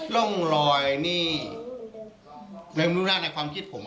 โร่งลอยนี่ในความคิดผม